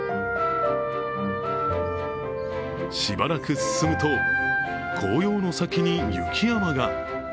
しばらく進むと、紅葉の先に雪山が。